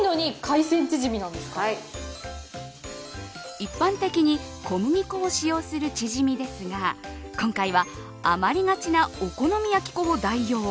一般的に小麦粉を使用するチヂミですが今回は、余りがちなお好み焼き粉でも代用。